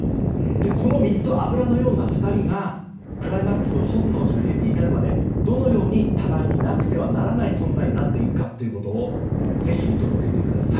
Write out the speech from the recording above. この水と油のような２人がクライマックスの本能寺の変に至るまでどのように互いになくてはならない存在になっていくかということをぜひ、見届けてください。